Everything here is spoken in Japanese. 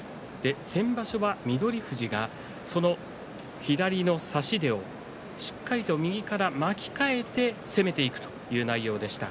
先場所は翠富士がその左の差し手をしっかりと右から巻き替えて攻めていくという内容でした。